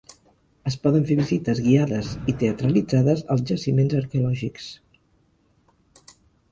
Es poden fer visites guiades i teatralitzades als jaciments arqueològics.